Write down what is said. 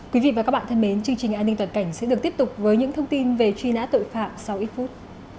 quý vị và các bạn thân mến chương trình an ninh toàn cảnh sẽ được tiếp tục với những thông tin về truy nã tội phạm sau ít phút